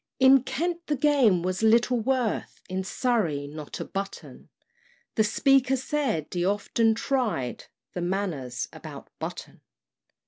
In Kent the game was little worth, In Surrey not a button; The Speaker said he often tried The Manors about Button.